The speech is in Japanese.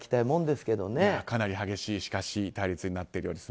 しかし、かなり激しい対立になっているようです。